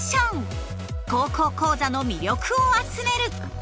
「高校講座」の魅力を集める！